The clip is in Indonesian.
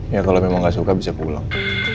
iya kalau memang gak suka bisa pulang